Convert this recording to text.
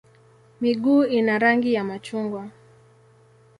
Miguu ina rangi ya machungwa.